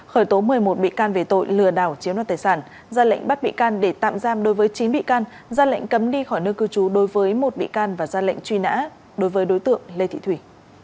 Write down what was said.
khởi tố một mươi một bị can về tội lừa đảo chiếm đoạt tài sản ra lệnh bắt bị can để tạm giam đối với chín bị can ra lệnh cấm đi khỏi nơi cư trú đối với một bị can và ra lệnh truy nã đối với đối tượng lê thị thủy